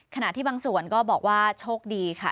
ขณะที่บางส่วนก็บอกว่าโชคดีค่ะ